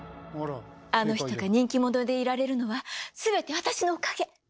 あの人が人気者でいられるのは全て私のおかげ！